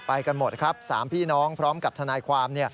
กันหมดครับ๓พี่น้องพร้อมกับทนายความ